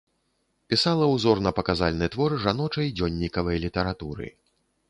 Пісала ўзорна-паказальны твор жаночай дзённікавай літаратуры.